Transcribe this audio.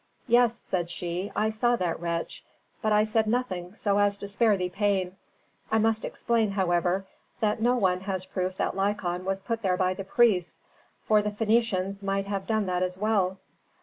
"Yes," said she. "I saw that wretch, but I said nothing so as to spare thee pain. I must explain, however, that no one has proof that Lykon was put there by the priests, for the Phœnicians might have done that as well."